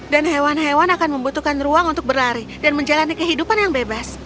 dan hewan hewan akan membutuhkan ruang untuk berlari dan menjalani kehidupan yang bebas